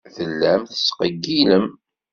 Tellam tettqeyyilem.